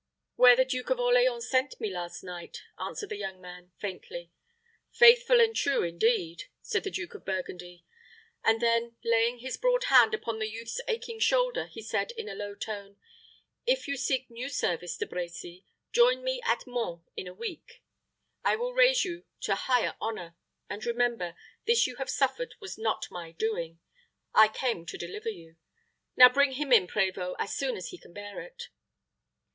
"Where the Duke of Orleans sent me last night," answered the young man, faintly. "Faithful and true, indeed!" said the Duke of Burgundy; and then, laying his broad hand upon the youth's aching shoulder, he said, in a low tone, "If you seek new service, De Brecy, join me at Mons in a week. I will raise you to high honor; and remember this you have suffered was not my doing. I came to deliver you. Now bring him in, prévôt, as soon as he can bear it."